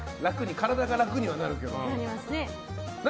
体が楽にはなるけどね。